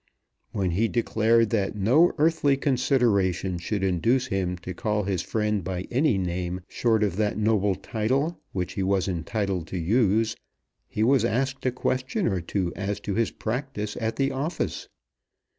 When he declared that no earthly consideration should induce him to call his friend by any name short of that noble title which he was entitled to use, he was asked a question or two as to his practice at the office.